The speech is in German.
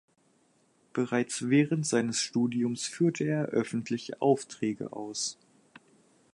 Bereits während seines Studiums führte er öffentliche Aufträge aus.